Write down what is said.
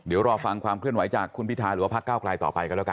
เดี๋ยวรอฟังความเคลื่อนไหวจากคุณพิทาหรือว่าพักเก้าไกลต่อไปกันแล้วกัน